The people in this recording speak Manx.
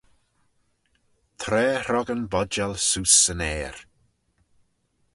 Tra hrog yn bodjal seose 'syn aer.